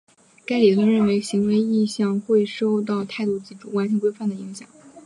该理论认为行为意向会受到态度及主观性规范的影响。